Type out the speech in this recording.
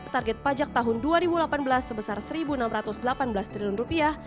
target pajak tahun dua ribu delapan belas sebesar satu enam ratus delapan belas triliun rupiah